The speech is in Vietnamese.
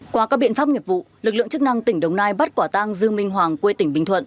qua các biện pháp nghiệp vụ lực lượng chức năng tỉnh đồng nai bắt quả tang dư minh hoàng quê tỉnh bình thuận